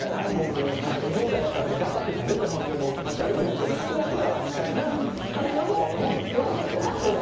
もう食べ放題やからって頑張って食べて気持ち悪くなっておなか下してたわみたいな会話もこみ。